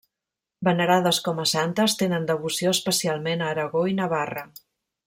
Venerades com a santes, tenen devoció especialment a Aragó i Navarra.